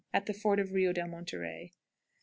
At the ford of Rio del Monterey. 37 1/2.